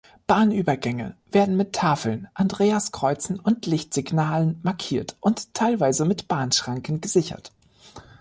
Bahnübergänge werden mit Tafeln, Andreaskreuzen und Lichtsignalen markiert und teilweise mit Bahnschranken gesichert.